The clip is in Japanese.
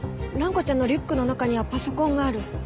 蘭子ちゃんのリュックの中にはパソコンがある。